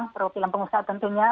perwakilan pengusaha tentunya